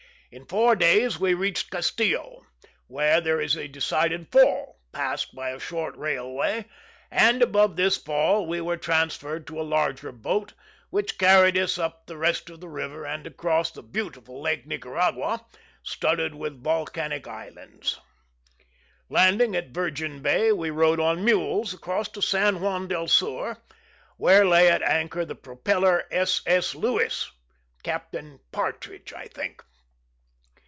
In four days we reached Castillo, where there is a decided fall, passed by a short railway, and above this fall we were transferred to a larger boat, which carried us up the rest of the river, and across the beautiful lake Nicaragua, studded with volcanic islands. Landing at Virgin Bay, we rode on mules across to San Juan del Sur, where lay at anchor the propeller S. S. Lewis (Captain Partridge, I think).